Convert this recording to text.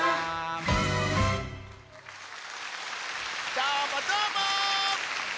どーもどーも！